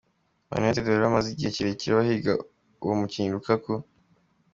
Man Utd bari bamaze igihe kirekire bahiga uwo mukinyi Lukaku.